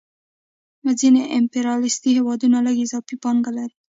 ځینې امپریالیستي هېوادونه لږ اضافي پانګه لري